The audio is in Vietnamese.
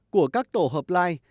của các tổ hợp lai